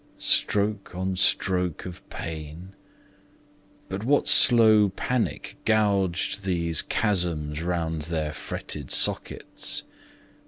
Stroke on stroke of pain, but what slow panic, Gouged these chasms round their fretted sockets?